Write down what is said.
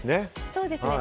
そうですね。